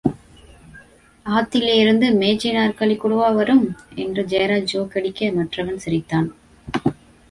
ஆத்திலேருந்து மேஜை–நாற்காலி கூடவா வரும்? என்று ஜெயராஜ் ஜோக் அடிக்க, மற்றவன் ரசித்தான்.